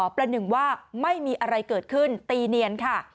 ประหนึ่งว่าไม่มีอะไรเกิดขึ้นตีเนียนค่ะ